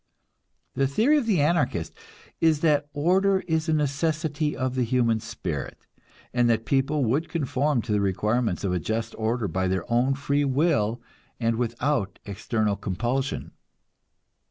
The theory of the Anarchist is that order is a necessity of the human spirit, and that people would conform to the requirements of a just order by their own free will and without external compulsion.